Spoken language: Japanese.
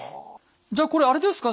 じゃあこれあれですか？